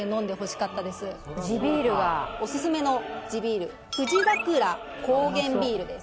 ビールがオススメの地ビール富士桜高原麦酒です